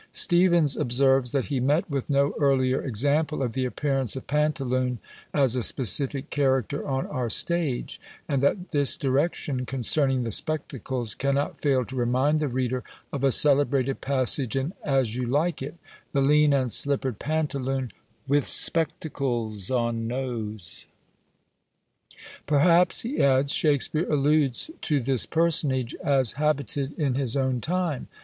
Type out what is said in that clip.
Steevens observes, that he met with no earlier example of the appearance of Pantaloon, as a specific character on our stage; and that this direction concerning "the spectacles" cannot fail to remind the reader of a celebrated passage in As You Like It: The lean and slipper'd Pantaloon, With spectacles on nose . Perhaps, he adds, Shakspeare alludes to this personage, as habited in his own time.